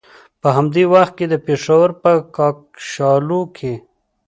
په همدې وخت کې د پېښور په کاکشالو کې.